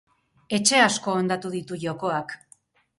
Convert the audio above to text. Etxe asko hondatu ditu jokoak.